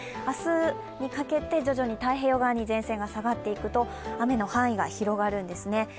明日にかけて徐々に太平洋側に前線が下がっていくと雨の範囲が広がるんですね。